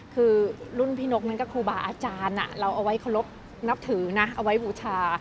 คือรุ่นพี่นกนั้นก็ครูบาอาจารย์เราเอาไว้เคารพนับถือนะเอาไว้บูชา